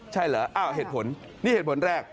ใช่เหรออ้าวเหตุผลนี่เหตุผลแรก